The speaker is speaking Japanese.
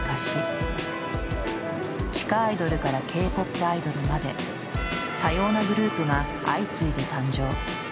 地下アイドルからＫ−ＰＯＰアイドルまで多様なグループが相次いで誕生。